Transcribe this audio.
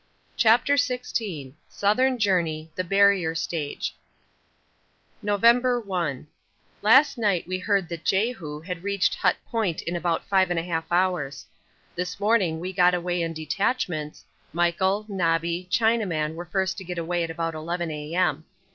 CHAPTER XVI Southern Journey: The Barrier Stage November 1. Last night we heard that Jehu had reached Hut Point in about 5 1/2 hours. This morning we got away in detachments Michael, Nobby, Chinaman were first to get away about 11 A.M.